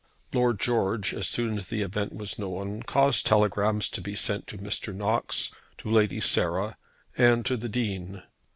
Lord George, as soon as the event was known, caused telegrams to be sent to Mr. Knox, to Lady Sarah, and to the Dean.